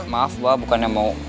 maaf abah bukannya mau